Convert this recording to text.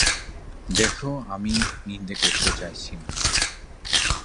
দেখো, আমি নিন্দা করতে চাইছি না।